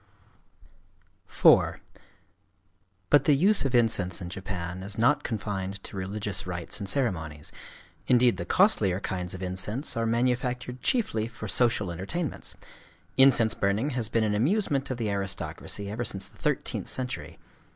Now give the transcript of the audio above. IV But the use of incense in Japan is not confined to religious rites and ceremonies: indeed the costlier kinds of incense are manufactured chiefly for social entertainments. Incense burning has been an amusement of the aristocracy ever since the thirteenth century.